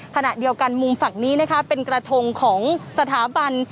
ขณะเดียวกันมุมฝั่งนี้นะคะเป็นกระทงของสถาบัน